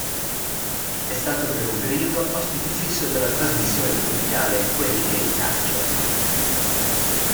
È stato per un periodo ospite fisso della trasmissione domenicale "Quelli che il calcio".